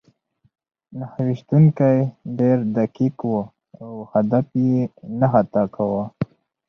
نښه ویشتونکی ډېر دقیق و او هدف یې نه خطا کاوه